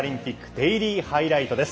デイリーハイライトです。